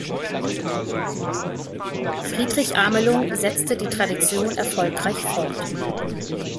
Friedrich Amelung setzte die Tradition erfolgreich fort.